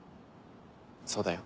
そうだよ。